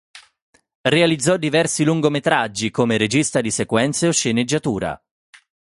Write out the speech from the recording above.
Realizzò diversi lungometraggi come regista di sequenze o sceneggiatura.